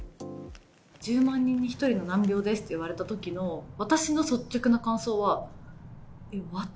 １０万人に１人の難病ですって言われたときの、私の率直な感想は、え、私？